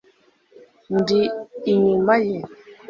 ndi inyuma ye